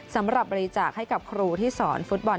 สำหรับบริจาคให้กับครูที่สอนฟุตบอล